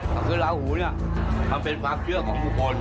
ก็คือลาหูเนี่ยมันเป็นความเชื่อของบุคคล